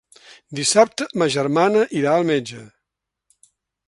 Dissabte ma germana irà al metge.